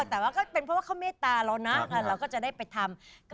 ขตาว่าเขาเป็นเมตตาเรานะแล้วจะได้ไปทำ